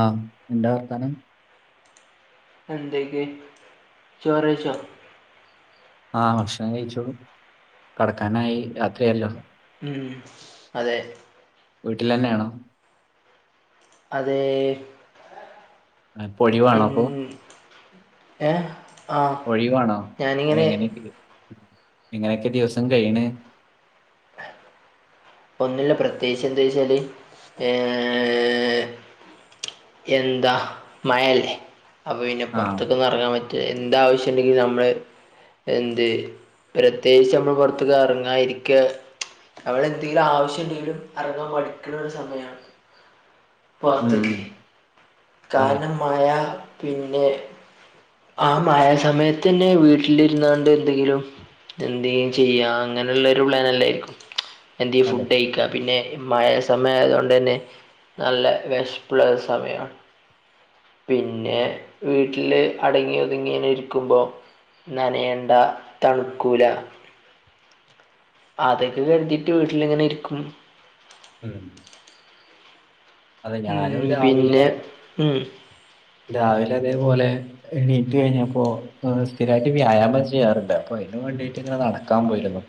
ആഹ എന്താ വർത്താനം. ഇന്ന് അന്തോ യ്ന് ചോറെയ്ച്ചോ? ആഹ ഭക്ഷണം കഴിച്ചു. കടക്കാനായി രാത്രി ആയല്ലോ. ഉം അതെ. വീട്ടിലന്നെയാണോ? അതേ. ഇപൊലിവാണോ അപ്പോ. ഏഹ ആഹ ഒഴിവാണോ അത് ഞാനിങ്ങനെ. എങ്ങനെയൊക്കെ എങ്ങനെയൊക്കെ ദിവസം കഴിയണ്. ഒന്നില്ല പ്രത്യേകിച്ച് എന്താ വെച്ചാൽ എങോ എന്താ മഴല്ലേ അപ്പൾ പിന്നെ ആ പുറത്തേക്കന്നും ഇറങ്ങാൻ പറ്റും. എന്ത് ആവശ്യംണ്ടെങ്കിലും നമ്മള്. എന്ത് പ്രത്യേകിച്ച് നമ്മൾ പുറത്തക്ക് ഇറങ്ങാ ഇരിക്ക അവടെ. എന്തെങ്കിലും ആവശ്യംണ്ടെങ്കിലും എറങ്ങാൻ മഠിക്കുണ ഒരു സമയമാണ്. ഉം ഉം വാർത്തക്ക് അതെ കാരണം മഴ പിന്നെ. ആ മഴ സമയത്ത്ന്നെ വീട്ടിലിരുന്നാണ്ട് എന്തെങ്കിലും. എന്തേം ചെയ്യാ അങ്ങനെയുള്ളരു പ്ലൻല്ലായിരിക്കും എന്തേം അതെ ഫുഡയ്ക്കാം. പിന്നെ മഴ സമയായതോണ്ടന്നെ നല്ല വിഷപ്പുള്ള സമയമാണ്. പിന്നെ വീട്ടില് അടങ്ങി ഒതുങ്ങി ഇങ്ങനെ ഇരിക്കുമ്പോ. നനയണ്ട തണുക്കൂല. അതൊക്കെ കരുതിയിട്ട് വീട്ടിലിങ്ങനെ ഇരിക്കും. ഉം. അതെ ഞാനും ഉം രാവിലെ പിന്നെ ഉം രാവിലെ അതേപോലെ എണീറ്റ് കഴിഞ്ഞപ്പോ സ്ഥിരായിട്ട് വ്യായാമം ചെയ്യാറുണ്ട് അപ്പൊ അയ്ന് വേണ്ടിട്ട് ഇങ്ങനെ നടക്കാൻ പോയിരുന്നു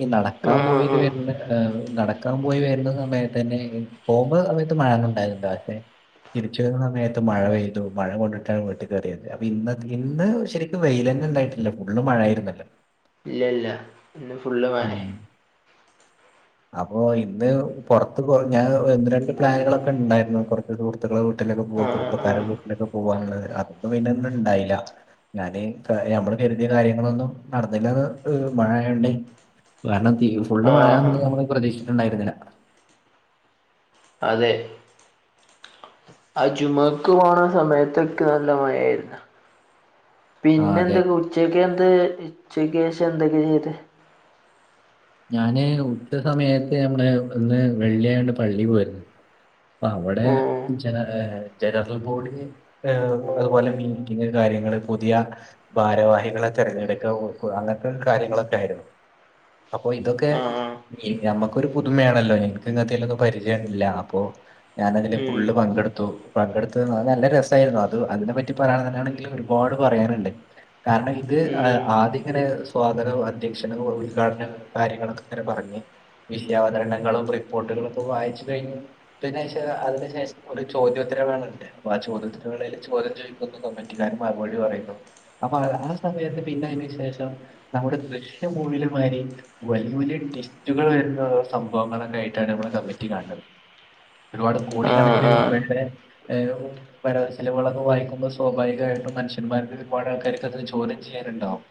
ഈ ആ നടക്കാൻ ആ പോയിട്ട് ആ വെര്ണെ നടക്കാൻ പോയി വരുന്ന സമയത്തന്നെ പോകുമ്പോ സമയത്ത് മഴന്നുണ്ടായിന്നില്ല പക്ഷെ തിരിച് വരുന്ന സമയം ത് മഴ പെയ്തു മഴ കൊണ്ടിട്ടാണ് വീട്ടിൽ കേറിയത് അപ്പൊ ഇന്ന് ഇന്ന് ശരിക്കും വെയിലന്നെ ണ്ടായി ല്ല ഫുള്ള് മഴ ആയിരുന്നല്ലോ ഇല്ല ഇല്ല ഇന്ന് ഫുള്ള് മഴേ [inaudible] അപ്പോ ഇന്ന് പുറത്ത് കൊ ഞാൻ ഒന്ന് രണ്ട് പ്ലാനുകളൊക്കെ ഉണ്ടായിരുന്നു കുറച്ച് സുഹൃത്തുക്കളെ ട്ടിലൊക്കെ പോവാ ആ ആ ആ കുടുബക്കാരെ വീട്ടിലൊക്കെ പോകനുള്ളത് അതൊക്കെ പിന്നെ ഇണ്ടായില്ല ഞാന് കയമ്മള് കരുതിയ കാര്യങ്ങളൊന്നും നടന്നില്ലന്ന് മഴയോണ്ടേ കാരണം തി ഫുള്ള് ആ ആ മഴന്ന നമ്മള് പ്രതീക്ഷിട്ടുണ്ടായിരുന്നില്ല അതെ അഹ് ജുമുഅക്ക് പോണ സമയത്തൊക്കെ നല്ല മഴായിരുന്നു ആ പിന്നെ അതെ. എന്തൊക്കെ ഉച്ചക്കെ എന്താ ഉച്ചക്കേഷം എന്തൊക്കെ ചെയ്ത് ഞാന് ഉച്ച സമയത്ത് നമ്മടെ ഇന്ന് വെള്ളിയായോണ്ട് പള്ളി പോയിരുന്നു പ്പവടെ ഉം ജന ജനറൽ ബോഡി അതുപോലെ മീറ്റിംഗ് കാര്യങ്ങള് പുതിയ ഭാരവാഹികളെ തിരഞ്ഞെടുക്ക അങ്ങനത്തെ കാര്യങ്ങളൊക്കെ ആയിരുന്നു അപ്പൊ ഇതൊക്കെ ആ ഈ ഞമ്മക്കൊരു പുതുമയാണല്ലോ എനക്ക് ഇങ്ങനെത്തെലൊന്നും പരിചയമില്ല അപ്പൊ ഞാനതില് ഉം ഫുള്ള് പങ്കെടുത്തു പങ്കെടുത്ത അഹ് നല്ല രസായിരുന്നു അത് അതിനെ പറ്റി പറയാനാണെങ്കിൽഒരു പാട് പറയാനുണ്ട് കാരണം ഇത് ഉം ആദ്യങ്ങനെ സ്വാഗത അധ്യക്ഷന ഉദ്ഘാടന കാര്യങ്ങളൊക്കെങ്ങനെ പറഞ്ഞ് വിഷയാവതരണങ്ങളും റിപ്പോർട്ടുകളൊക്കെ വായിച്ചു കഴിഞ്ഞ് പിന്നെഷാ അതിനുശേഷം ഒരു ചോദ്യോത്തര വേളണ്ട് അപ്പൊ ആഹ് ചോദ്യത്തിന്റെ വേളയിൽ ചോദ്യം ചോദിക്കുന്നു കമ്മെറ്റിക്കാർ മറുപടി പറയുന്നു അപ്പൊ ആ സമയത്ത് പിന്നയ്നു ശേഷം നമ്മുടെ ദൃശ്യ മൂവിലു മാരി വല്യ വല്യ ടിസ്റ്റുകൾ വരുന്ന സംഭവങ്ങളൊക്കെ ആയിട്ടാണ് നമ്മടെ കമ്മിറ്റി കാണത് ഒരുപാട് ആ കോടിക്കണക്കിന് ആ രൂപയുടെ ഏഹ് വരവ് ച്ചിലവ് ളൊക്കെ വായിക്കുമ്പ സ്വാഭാവികായിട്ടും മനുഷ്യന്മാർക്ക് ഒരുപാട് ആൾക്കാർക്ക് അത് ചോദ്യം ചെയ്യാന്ണ്ടാവും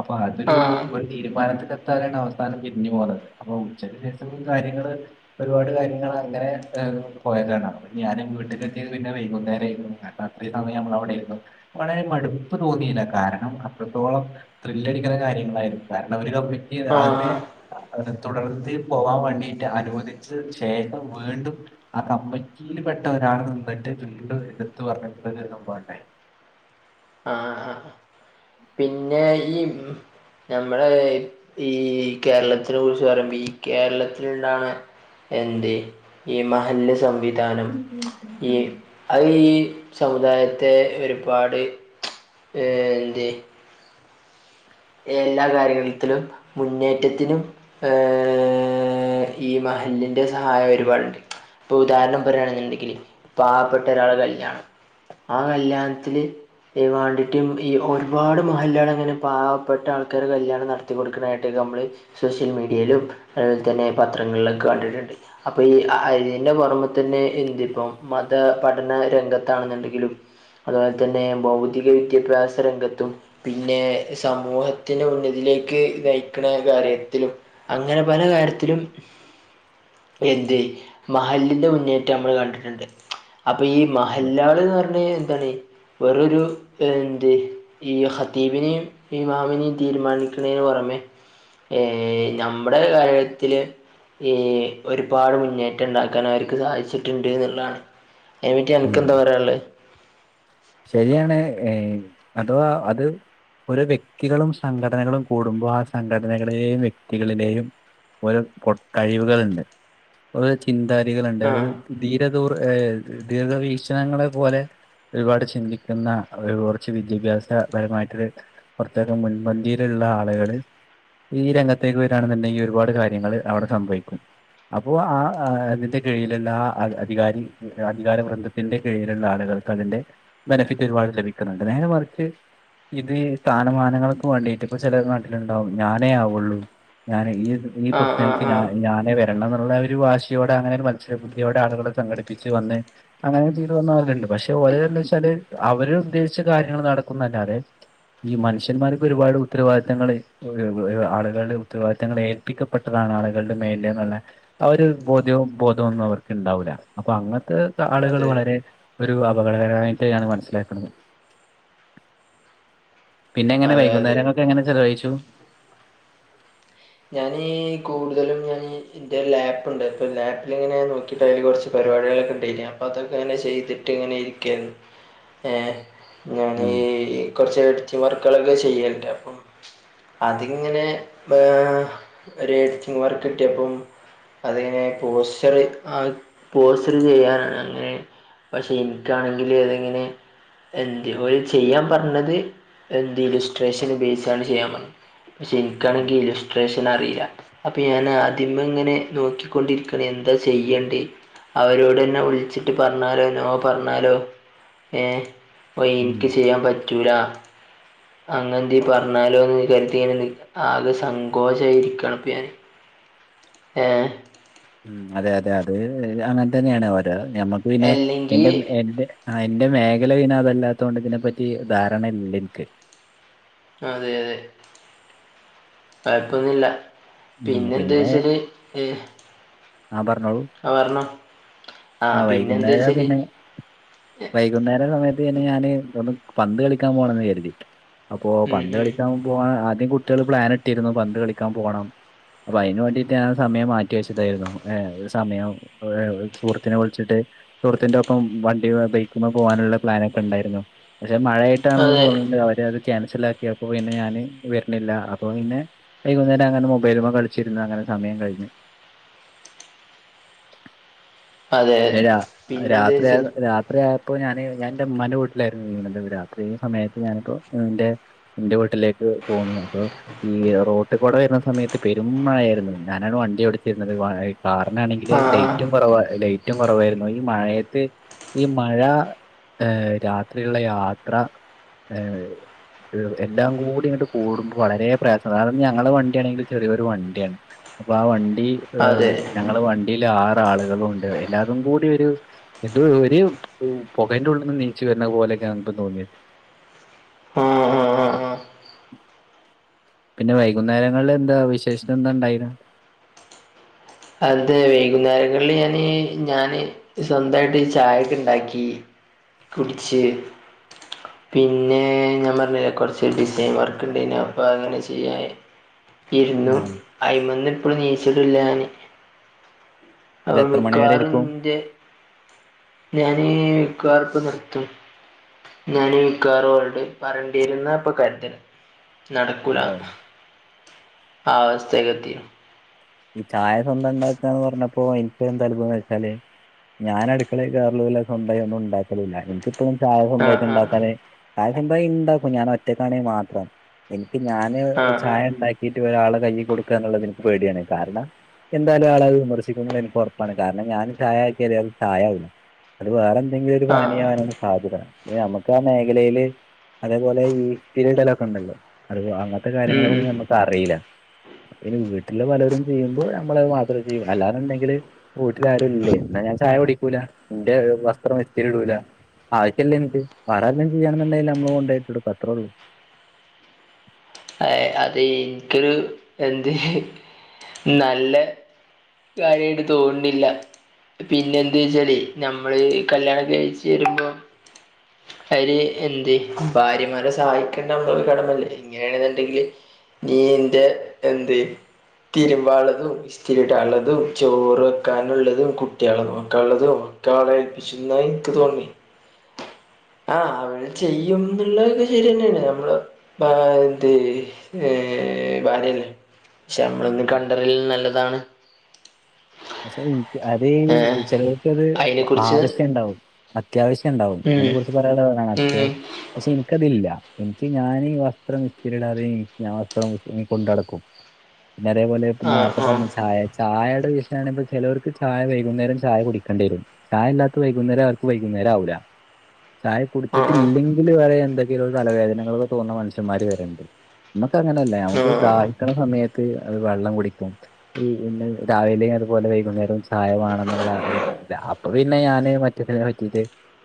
അപ്പൊ അതൊരു ആ ഒരു തീരുമാനത്തിന്റെ ട്ടതാണ്ടഅവസാനം പിരിഞ്ഞു പോന്ന് അപ്പൊ ഉച്ചക്കേഷ കാര്യങ്ങള് ഒരുപാട് കാര്യങ്ങൾ അങ്ങനെ എഹ് പോയതാണ് അപ്പ ഞാനും വീട്ടിലെത്തിയത് പിന്നെ വൈകുന്നേരം അഹ് അത്രയും സമയം നമ്മളവിടെയിരുന്നു വളരെ മടുപ്പ് തോന്നിയില്ല കാരണം അത്രത്തോളം ത്രില്ലടിക്കണ കാര്യങ്ങളായിരുന്നു കാരണം അവര് കമ്മിറ്റി ആ അതിന് അവരെ തുടർത്തി പോകാൻ വേണ്ടിട്ട് അനുവദിച്ചു ശേഷം വീണ്ടും ആ അകമ്മിറ്റി ൽ പെട്ടവരാണ് നിന്നിട്ട് വീണ്ടും എടുത്തു പറഞ്ഞിട്ട് ഒരു സംഭവണ്ടായി ആ ഹാ പിന്നെ ഈ ഞമ്മള് ഈ കേരളത്തിനെ കുറിച്ച് പറയുമ്പോ ഈ കേരളത്തിലിള്ളതാണ് എന്തെ ഈ മഹല്ല് സംവിധാനം ഈ അത് ഈ സമുദായത്തെ ഒരുപാട് ഏ എന്തേ എല്ലാ കാര്യഘത്തിലും മുന്നേറ്റത്തിനും ഏ ഈ മഹല്ലിൻ്റെ സഹായം ഒരുപാടുണ്ട് ഇപ്പൊ ഉദാഹരണം പറയാണെന്നുണ്ടെങ്കിൽ പാവപ്പെട്ട ഒരാളെ കല്യാണം ആ കല്യാണത്തില്ഈ വാണ്ടിറ്റെം ഈ ഒരുപാട് മഹല്ലെ ള അങ്ങനെ പാവം പ്പെട്ട ആൾക്കാരെ കല്യാണം നടത്തി കൊടുക്കണേട്ടല്ലോ നമ്മള് സോഷ്യൽ മീഡിയയിലും അതുപോൽ തന്നെ പത്രങ്ങളിലൊക്കെ കണ്ടിട്ടുണ്ട് അപ്പൊ ഈ അതിന്റെ പുറമെ തന്നെ എന്തിപ്പം മത പഠന രംഗത്താണെന്നുണ്ടെങ്കിലും. അതുപോൽ തന്നെ ഭൗതിക വിദ്യാഭ്യാസ രംഗത്തും പിന്നെ. സമൂഹത്തിനെ ഉന്നതിയിലേക്ക് നയിക്ക്‌ ണ കാര്യത്തിലും. അങ്ങനെ പല കാര്യത്തിലും. എന്ത് മഹല്ലിന്റെ മുന്നേറ്റം നമ്മൾ കണ്ടിട്ടുണ്ട്. അപ്പൊ ഈ മഹല്ലാള് എന്ന്ർ ഞാ എന്താണ്? വെറു വ രു എന്ത് ഈ ഹത്തീബിനീം ഈ ബീമാമനീം തീരുമാനിക്കുന്നതിന് പുറമെ ഏ നമ്മുടെ കാര്യത്തില്. ഈ ഒരുപാട് മുന്നേറ്റം ഉണ്ടാക്കാൻ അവർക്ക് സാധിച്ചിട്ടുണ്ട് എന്നുള്ളാ ണ്. അയ് നെപറ്റി അൻ ക്ക് ഉം എന്താ പറയാള്ളത്. ശരിയാണ് ഏ അഥവാ അത്. ഒരു വ്യക്തികളും സംഘടനകളും കൂടുമ്പോ ആ സംഘടനകളെയും വ്യക്തികളിലെയും. ഓരോ കൊട്ടഴിവുകളുണ്ട്. ഓരോ ചിന്താഗതികളുണ്ട് ആ അത് തീരദൂർ ദീർഘ വീക്ഷണങ്ങളെ പോലെ. ഒരുപാട് ചിന്തിക്കുന്ന ഒരു കുറച്ച് വിദ്യാഭ്യാസപരമായിട്ടരു. പുറത്തക്കെ മുൻപന്തിയിലുള്ള ആളുകള്. ഈ രംഗത്തേക്ക് വരാണെന്നുണ്ടെങ്കി ഒരുപാട് കാര്യങ്ങൾ അവിടെ സംഭവിക്കും. അപ്പോ ആ അതിന്റെ കീഴിലുള്ള ആ അധികാരി. അങ്കാര വ്ര്‌ ന്തത്തിന്റെ കീഴിലുള്ള ആളുകൾക്ക് അതിന്റെ ബെനിഫിറ്റ് ഒരുപാട് ലഭിക്കുന്നുണ്ട് നേരെ മറിച്ച്. ഇത് സ്ഥാനമാനങ്ങൾക്ക് വേണ്ടി ട്ട് ഇപ്പ ചില നാട്ടിലുണ്ടാവും ഞാനേ ആവുള്ളൂ. ഞാൻ ഈ ഈ ആ ആ പുതുതകൾക്ക് ആ ഞാനെ വരണം എന്നുള്ള ഒരു വാശിയോടെ അങ്ങനെ ഒരു മത്സ്യബുദ്ധിയോടെ ആളുകള്. സംഘടിപ്പിച്ച് വന്നേ. അങ്ങനെ ചെയീതു വന്നവരുണ്ട് പക്ഷെ ഓര് എന്താച്ചാല് അവര് ഉദ്ദേശിച്ച കാര്യങ്ങൾ നടക്കുന്നതല്ലാതെ. ഈ മനുഷ്യന്മാർക്ക് ഒരുപാട് ഉത്തരവാദിത്തങ്ങൾ. ഓരോ ആളുകളുടെ ഉത്തരവാദിത്തങ്ങൾ ഏൽപ്പിക്കപ്പെട്ടതാണ് ആളുകളുടെ മേൽ ല് എന്നുള് ആ ഒരു ബോധ്യവും ബോധമൊന്നും അവർക്ക് ഉണ്ടാവൂല്ല അപ്പൊ അങ്ങനത്തെ. ആളുകള് അതെ വളരെ ഒരു അപകടകരമായിട്ടാണ് മനസ്സിലാക്കുന്നത്. പിന്നെ എങ്ങനെ അതെ അതെ വൈകുനേരങ്ങളൊക്കെ എങ്ങനെ ചെലവഴിച്ചു. ഞന് കൂടുതലും ഞാന്. ഇൻ്റെരു ലാപ്പുണ്ട് ഇപ്പ ലാപ്പില്ങ്ങനെ നോക്കിയിട്ട് അതിൽ കുറച്ച് പരിപാടികൊള ക്കെ ഉണ്ടായിന്നു അപ്പോ അതൊക്കെങ്ങനെ ചെയ്തിട്ട് ഇങ്ങനെരിക്ക. ക്കെ എ ഞാനീ ഉം ഈ. കുറച്ച് എഡിറ്റിംഗ് വർക്കുകളൊക്കെ ചെയ്യൽ ണ്ട് അപ്പം അതിങ്ങനെ ഏ. ഒരു എഡിറ്റിംങ് വർക്ക് കിട്ടിയപ്പം. അതിങ്ങനെ പോസ്റ്ററ് ആ പോസ്റ്റർ ചെയ്യാന അങ്ങനെ. പക്ഷെ എനിക്കാണെങ്കില് അതിങ്ങനെ എന്ത് ഓല് ചെയ്യാൻ പറഞ്ഞത് എന്ത് ഇലിസ്ട്രേഷൻ ബേസ് ആണ് ചെയ്യാൻ പറഞ്ഞത്. പക്ഷെ എനിക്കാണെങ്കിൽ ട്രേഷനറിയില്ല അപ്പൊ ഞാൻ ആതിമങ്ങനെ നോക്കിക്കൊണ്ടിരിക്കണ എന്താ ചെയ്യണ്ടേ. അവരോട്ന്നെ വിളിച്ചിട്ട് പറഞ്ഞാലോ നോ പറഞ്ഞാലോ ഏഹ് അപ്പൊ ഉം എനിക്ക് ചെയ്യാൻ പറ്റൂല. അങ്ങൻന്തേ പറഞ്ഞാലോ എന്ന് കരുതിന്ല് ആകെ സങ്ക് ഗോശായിരികാണിപ്പ ഞാന് ഏഹ് ഉം അതെ അതെ അത് അങ്ങൻതന്നെയാണ് ഓരോ ഞമ്മക്ക് പിന്നെ അല്ലെങ്കി എന്റെ എന്റെ ആഹ് എന്റെ മേഖല പിന്നതല്ലാത്തോണ്ട് ഇതിനെപ്പറ്റി ധാരണയില്ലനിക്ക്. അതെ അതെ കൊഴപ്പൊന്നുല്ല. ആ പിന്നെന്ത്‌ പിന്നെ വിശേഷ് ഏഹ് ആ പറഞ്ഞോളൂ ആഹ് പർഞ്ഞോ ആ ആഹ് പിന്നെന്ത്‌ വൈകുന്നേരം ശെരി പിന്നെ വൈകുന്നേര സമയത്ത് പിന്നെ ഞാന് എന്തോന്നും പന്ത് കളിക്കാൻ പോണന്ന് കരുതി. അപ്പോ ഉം പന്ത് ഉം കളിക്കാൻ പോകാൻ ആദ്യം കുട്ടികൾ പ്ലാൻ ഇട്ടിരുന്നു പന്ത് കളിക്കാൻ പോണം. അപ്പൊ അതിന് വേണ്ടിട്ട് ഞാൻ സമയം മാറ്റി വെച്ചതായിരുന്നു ഏ സമയം. അഹ് സുഹൃത്തിനെ വിളിച്ചിട്ട് സുഹൃത്തിന്റൊപ്പം വണ്ടി ബൈക്ക്‌മ്മ പോകാനുള്ള പ്ലാനൊക്കെ ഉണ്ടായിരുന്നു പക്ഷെ മഴയ ട്ടാണെന്ന് അതെ തോന്നുന്നുണ്ട് അവര് അത് ക്യാൻസൽ ആക്കി അപ്പോ പിന്നെ ഞാന് വരണില്ല അപ്പൊ പിന്നെ വൈകുന്നേരം അങ്ങനെ മൊ ബെയ്ൽമ കളിച്ചിരുന്നു അങ്ങനെ സമയം കഴിഞ്ഞ് അതെ രാ പിന്നെന്താ രാത്രിയ വെച്ചാൽ രാ രാത്രി ആയപ്പോ ഞാന് ഞാൻ ന്റെ ഇമ്മാന്റെ വീട്ടിലായിരുന്നു നിന്നീന്നത് രാത്രി സമയത്ത് ഞാനിപ്പോ ന്റെ ഇന്റെ വീട്ടിലേക്ക് പോന്നു അപ്പൊ ഈ റോട്ട് കൂടെ വരുന്ന സമയത്ത് പെരും മഴയായിരുന്നു ഞാനാണ് വണ്ടി ഓടിച്ചിരുന്നത് വ കാറിനാണാണെങ്കില് ആ ലൈറ്റും ആ കുറവ ലൈറ്റും കുറവായിരുന്നു ഈ മഴയത്ത് ഈ മഴ ഏഹ് രാത്രിയുള്ള യാത്ര ഏഹ് എല്ലാം കൂടി ഇങ്ങോട്ട് കൂടുമ്പൊ വളരെ പ്രയാസം കാരണം ഞങ്ങളുടെ വണ്ടി ആണെങ്കിൽ ചെറിയൊരു വണ്ടിയാണ് അപ്പൊ ആ വണ്ടി ഏഹ് അതെ ഞങ്ങള് വണ്ടില് ആറ് ആളുകളുണ്ട് എല്ലാതും കൂടി ഒരു എത് ഒരു പൊകന്റെ ഉള്ളിൽന്ന് നീച്ചു വരണ പോലെയൊക്കെയപ്പോ തോന്നിയത് ആ ആ ആ ആ പിന്നെ വൈകുന്നേരങ്ങളിൽ എന്താ വിശേഷത എന്താണ്ടായിനു അത് വൈകുന്നേരങ്ങളില് ഞാന് ഞാന് സ്വന്തായിട്ട് ഈ ചായയൊക്കെ ഇണ്ടാക്കി കുടിച്ച് പിന്നെ ഞാൻ പറഞ്ഞില്ലെ കുറച്ച് ഡിസൈൻ വർക്ക് ഇണ്ടേനി അപ്പൊ അങ്ങനെ ചെയ്യ ഇരുന്നു ആഹ് അയിമന്ന് ഇപ്പൊളും നീചിട്ടില്ല ഞാന് ഇത് അപ്പം എത്ര മണി വരെ മിക്കവാറും ഇരിക്കും? ഇന്റെ ഞാന് മിക്കവാറും ഇപ്പം നിർത്തും ഞാനീ കാറോൾട് പറണ്ടിരുന്നാപ്പൊ കരുത്ണ് നടക്കൂല ഓഹ് ആ അവസ്ഥയിലെത്തി ഈ ചായ സ്വന്തംണ്ടാക്കാന്ന് പറഞ്ഞ അപ്പൊ എനിക്ക് എന്ത അനുഭവം എന്ന് വെച്ചാല് ഞാനടുക്കളെ കേറെലുല്ല സ്വന്തായി ഒന്നും ഉണ്ടാക്കലുല്ല ഇനിക്ക് ഇപ്പോ ചായ ആ സ്വന്തായിട്ട് ആ ഇണ്ടാക്കാന് ചായ സ്വന്തായി ഇണ്ടാക്കും ഞാനൊറ്റക്കാണേ മാത്രം. എനിക്ക് ഞാൻ ആ ആ ചായ ഉണ്ടാക്കിട്ട് ഒരാള്ടെ കയ്യി കൊടുക്ക എന്നുള്ളത് എനിക്ക് പേടിയാണ് കാരണം എന്തായാലും ആളത് വിമർശിക്കും എനിക്ക് ഉറപ്പാണ് കാരണം ഞാൻ ചായ ആക്കിയാല് അത് ചായാവില്ല അത് വേറെ എന്തെങ്കിലും ഒരു ആ പാനിയാവാനുള്ള സാധ്യത ഇനി നമുക്ക് ആ മേഖലയില് അതേപോലെ ഈ പിരിടലൊക്കെ ഉണ്ടല്ലോ അത് വാങ്ങാ അങ്ങനത്തെ ഉം. കാര്യങ്ങളൊന്നും നമക്കറീല വീട്ടില് പലരും ചെയ്യുമ്പോൾ നമ്മള് അത് മാത്രം ചെയ്യും അല്ലാരുണ്ടെങ്കില് വീട്ടിലാരുംല്ലേ എന്നാ ഞാൻ ചായ കുടിക്കൂല ഇന്റെ വസ്ത്രം ഇസ്തിരി ഇടൂല ആവശ്യം ഇല്ല എനിക്ക് വേറെ ആരുടെതെങ്കിലും ചെയ്യണെന്നുണ്ടേല് നമ്മള് കൊണ്ടായിട്ടൊട്ക്കും അത്രേ ഉള്ളൂ അതെയ് ഇന്ക് എന്ത് നല്ല കാര്യമായിട്ട് തോന്നുന്നില്ല പിന്നെ എന്തെയ്ച്ചാല് നമ്മള് കല്യാണക്കെ കഴിച്ച് വരുമ്പോ അയ്ല് എന്തെ ഭാര്യമാരെ സഹായിക്കേണ്ട ഒരു കടമല്ലേ ഇങ്ങനെയാണെന്നണ്ടെങ്കില് നീ ഇന്റെ എന്തെ തിരുമ്പാളതും ഇസ്ഥിരിടാനുള്ളതും ചോറ് വെക്കാനുള്ളതും കുട്ട്യാളെ നോക്കാനുള്ളതും ഒക്കെ അവ്ടെ വെ ഇന്നാ ഇന്ക് തോന്നി ആഹ് അവള് ചെയ്യും എന്നുള്ളതൊക്കെ ശരി തന്നെയാണ് നമ്മള് മാണ്ടേ ഏ ഭാര്യല്ലേ പക്ഷെ നമ്മളൊന്ന് കണ്ടറിയല് നല്ലതാണ് പക്ഷെ അതെ ഏഹ് ചിലർക്കത് അയിനെ കുറിച്ച് ആവശ്യണ്ടാവും അത്യാവശ്യം ഉണ്ടാവും ഉം അതിനെ കുറിച്ച് പറയുള്ളതാണ് ഉം അത്യാവശ്യം പക്ഷെ ഇന്ക്കതില്ല എനിക്ക് ഞാന് വസ്ത്രം ഇസ്തിരിടാതെ ഞാൻ വസ്ത്രം കൊണ്ട് നടക്കും പിന്നെതേപോലെ ആഹ് നേത്തെ ആഹ് പറഞ്ഞ ചായ ചായയുടെഷം ണ ചിലവർക്ക് ചായ വൈകുന്നേരം ചായ കുടിക്കേി വരും ചായ ഇല്ലാത്ത വൈകുന്നേരം അവർക്ക് വൈകുന്നേരം ആവില്ല ചായ ആഹ് കുടിച്ചിട്ടില്ലെങ്കിൽ വരെ എന്തൊക്കെയ തലവേദനകൾ ഒക്കെ തോന്നുന്ന മനുഷ്യന്മാര് വരെ ഉണ്ട് നമുക്ക അങ്ങനെയല്ലേ നമുക്ക് ദാ ആഹ് ഹികണ സമയത്ത് അത് വെള്ളം കുടിക്കും പിന്നെ രാവില അതേപോലെ വൈകുന്നേരവും ചായ വേണംന്നുള്ളതല്ല അപ്പൊ പിന്നെ ഞാന് മറ്റതിനെ പറ്റിട്ട്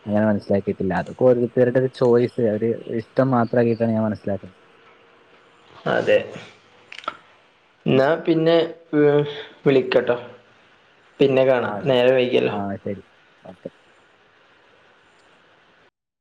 അഞാൻ മനസിലാക്കിയിട്ടില്ല അതൊക്കെ ഒരോരുത്തരുടെ ഒരു ചോയ്സ് ഒരു ഇഷ്ടം മാത്രമാക്കിയിട്ടാണ് ഞാൻ മനസ്സിലാക്കുന്നത് അതെ എന്നാ പിന്നെ വിളിക്കട്ടോ പിന്നെ കാണാം നേരെ വൈകിയല്ലോ ഓക്കെ